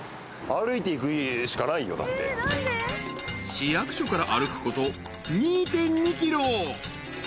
［市役所から歩くこと２．２ｋｍ］